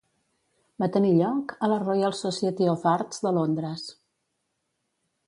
Va tenir lloc a la Royal Society of Arts de Londres.